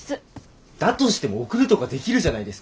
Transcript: だとしても送るとかできるじゃないですか。